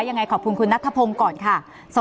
ยังไงขอบคุณคุณนัทธพงษ์ก่อนค่ะสวัสดีค่ะ